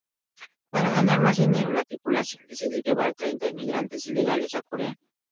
Para ganar más dinero, la tripulación decide llevar treinta inmigrantes ilegales a Corea.